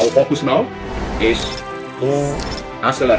fokus kami sekarang adalah